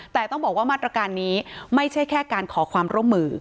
แต่ต้องบอกว่ามาตรการนี้ไม่ใช่แค่การขอความร่วมมือ